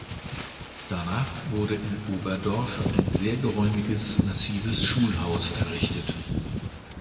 Danach wurde im Oberdorf ein sehr geräumiges, massives Schulhaus errichtet.